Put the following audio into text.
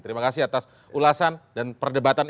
terima kasih atas ulasan dan perdebatan